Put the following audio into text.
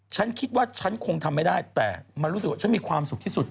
ฉันคิดว่าฉันคงทำไม่ได้แต่มันรู้สึกว่าฉันมีความสุขที่สุด